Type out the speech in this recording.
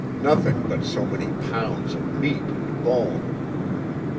Nothing but so many pounds of meat and bone.